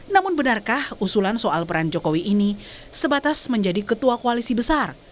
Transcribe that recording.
namun benarkah usulan soal peran jokowi ini sebatas menjadi ketua koalisi besar